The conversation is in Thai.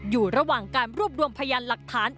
อยู่ระหว่างการร่วมรวมพยาลักษณ์หลักฐาน